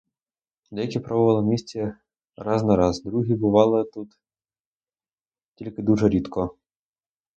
Деякі пробували в місті раз на раз, другі бували тут тільки дуже рідко.